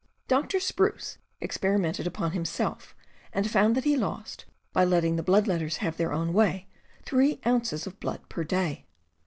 Doctor Spruce experimented upon himself, and found that he lost, by letting the blood letters have their own way, three ounces of blood per day.